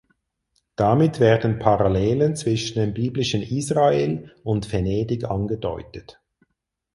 Damit werden Parallelen zwischen dem biblischen Israel und Venedig angedeutet.